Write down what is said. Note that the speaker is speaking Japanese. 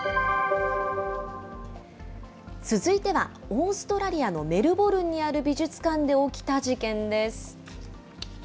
続いては、オーストラリアのメルボルンにある美術館で起きた事件です。